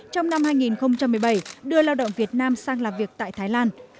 trong năm hai nghìn một mươi bảy đưa lao động việt nam sang làm việc tại thái lan